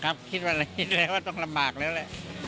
ครับครับคิดว่าคิดแล้วต้องลำบากแล้วแหละ